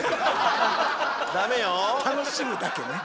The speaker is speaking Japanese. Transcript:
楽しむだけね。